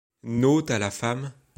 N'ôte à la femme